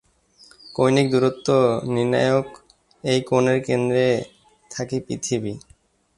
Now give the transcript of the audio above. কৌণিক দূরত্ব নির্ণায়ক এই কোণের কেন্দ্রে থাকে পৃথিবী।